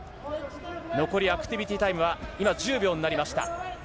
残りアクティビティタイムは今、１０秒になりました。